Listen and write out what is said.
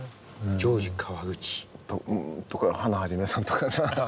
ジョージ川口。とかハナ肇さんとかさ。